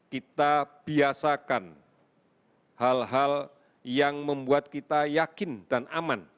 kita biasakan hal hal yang membuat kita yakin dan aman